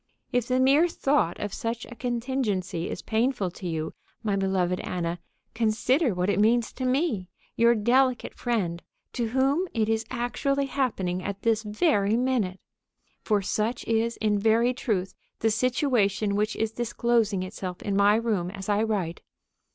If the mere thought of such a contingency is painful to you, my beloved Anna, consider what it means to me, your delicate friend, to whom it is actually happening at this very minute! For such is in very truth the situation which is disclosing itself in my room as I write.